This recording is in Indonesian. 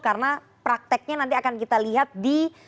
karena prakteknya nanti akan kita lihat di